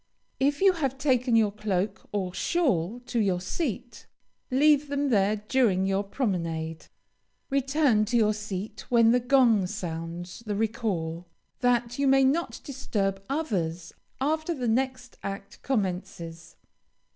If you have taken your cloak or shawl to your seat, leave them there during your promenade. Return to your seat when the gong sounds the recall, that you may not disturb others after the next act commences.